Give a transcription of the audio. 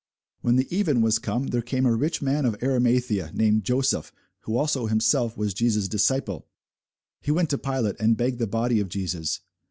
When the even was come, there came a rich man of Arimathæa, named Joseph, who also himself was Jesus' disciple: he went to Pilate, and begged the body of Jesus.